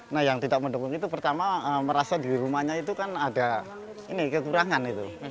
nah yang tidak mendukung itu pertama merasa di rumahnya itu kan ada ini kekurangan itu